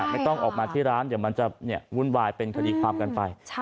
ไม่ต้องออกมาที่ร้านเดี๋ยวมันจะวุ่นวายเป็นคดีความกันไป